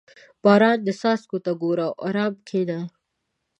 • د باران څاڅکو ته ګوره او ارام کښېنه.